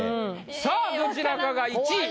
さあどちらかが１位。